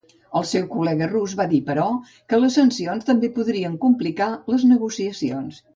El seu col·lega rus va dir, però, que les sancions també podrien complicar les negociacions.